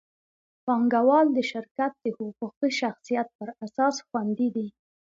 پانګهوال د شرکت د حقوقي شخصیت پر اساس خوندي دي.